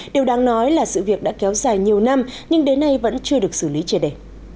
điều đáng nói là sự việc đã kéo dài nhiều năm nhưng đến nay vẫn chưa được xử lý triệt đề